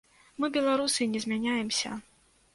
Мы, беларусы, не змяняемся.